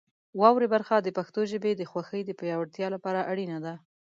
واورئ برخه د پښتو ژبې د خوښۍ د پیاوړتیا لپاره اړینه ده.